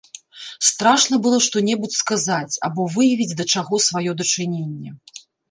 Страшна было што-небудзь сказаць або выявіць да чаго сваё дачыненне.